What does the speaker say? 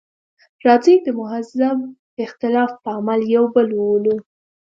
راځئ د مهذب اختلاف په عمل یو بل وولو.